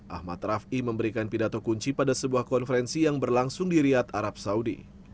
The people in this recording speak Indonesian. ahmad rafi memberikan pidato kunci pada sebuah konferensi yang berlangsung di riyad arab saudi